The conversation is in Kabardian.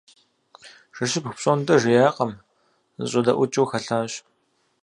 Жэщыбг пщӏондэ жеякъым - зэщӏэдэӏукӏыу хэлъащ.